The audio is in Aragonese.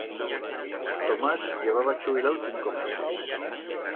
Tomás llevaba chubilau cinco meses.